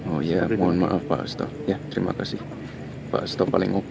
oh ya mohon maaf pak austo